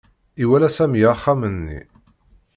Iwala Sami axxam-nni.